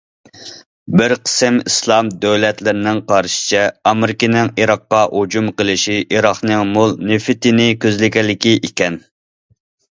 بىر قىسىم ئىسلام دۆلەتلىرىنىڭ قارىشىچە، ئامېرىكىنىڭ ئىراققا ھۇجۇم قىلىشى ئىراقنىڭ مول نېفىتىنى كۆزلىگەنلىكى ئىكەن.